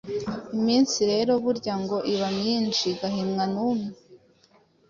Iminsi rero burya ngo iba myinshi igahimwa n'umwe